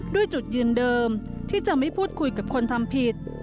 ด้วยจุดยืนเดิมที่จะไม่พูดคุยกับคนทำผิด